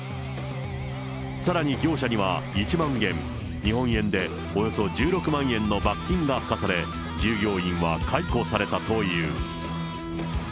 さらに業者には１万元、日本円でおよそ１６万円の罰金が科され、従業員は解雇されたという。